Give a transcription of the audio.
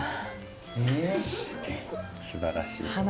すばらしい。